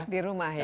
di rumah ya